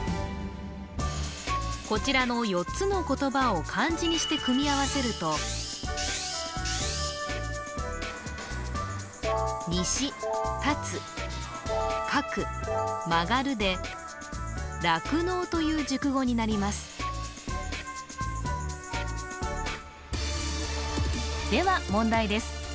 こちらの４つの言葉を漢字にして組み合わせると「西」「辰」「各」「曲」で酪農という熟語になりますでは問題です